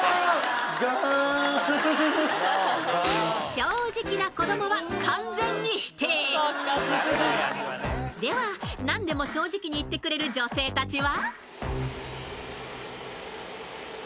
正直な子どもは完全に否定では何でも正直に言ってくれる女性たちは？